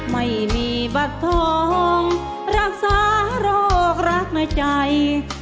ไม่มีบัตรทองรักษาโรครักในใจ